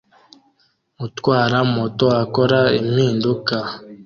Utwara moto akora impinduka